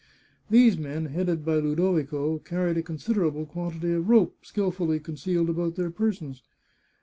These men, headed by Ludovico, car ried a considerable quantity of rope, skilfully concealed about their persons.